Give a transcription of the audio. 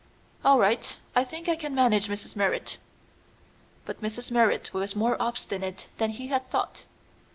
"All right. I think I can manage Mrs. Merrit." But Mrs. Merrit was more obstinate than he had thought.